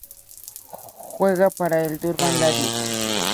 Juega para el Durban Ladies.